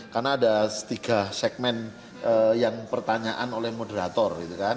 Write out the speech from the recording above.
karena ada tiga segmen yang pertanyaan oleh moderator